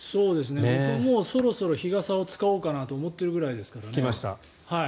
そろそろ日傘を使おうかなと思っているぐらいですからね。